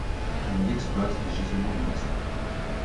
On y exploite des gisements de bauxite.